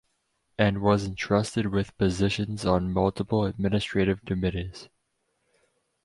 And was entrusted with positions on multiple administrative committees.